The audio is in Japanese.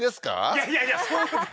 いやいやいやそうですよ